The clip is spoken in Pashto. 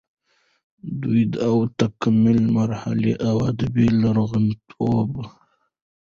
د ودې او تکامل مرحلې او ادبي لرغونتوب